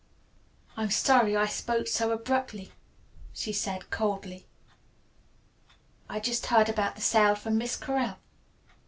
"I'm sorry I spoke so abruptly," she said coldly. "I just heard about the sale from Miss Correll.